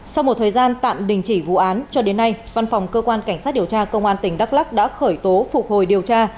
sau một thời gian tạm đình chỉ vụ án cho đến nay văn phòng cơ quan cảnh sát điều tra công an tỉnh đắk lắc đã khởi tố phục hồi điều tra